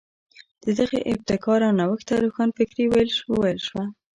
د دغې ابتکار او نوښت ته روښانفکري وویل شوه.